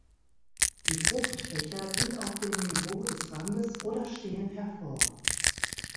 Die Fruchtfächer sind auf dem Niveau des Randes oder stehen hervor.